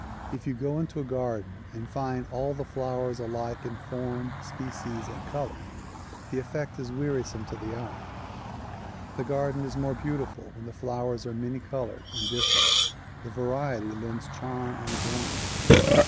If you go into a garden and find all the flowers alike in form, species and color, the effect is wearisome to the eye. The garden is more beautiful when the flowers are many colored and different; the variety lends charm and adornment.